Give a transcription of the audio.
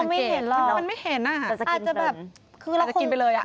มอบไม่เห็นหรอก